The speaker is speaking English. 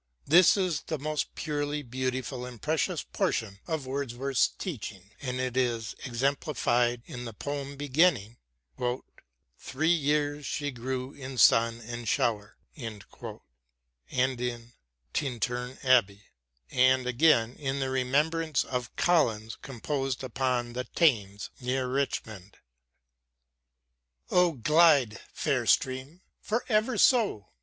This is the most purely beautiful and precious portion of Wordsworth's teaching, and it is exemplified in the poem beginning " Three years she grew in sun and shower " and in " Tintern Abbey," and again in the " Remembrance of Collins, composed upon the Thames near Richmond ": O glide, fair stream ! for ever so.